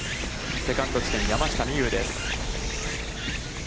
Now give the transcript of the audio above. セカンド地点、山下美夢有です。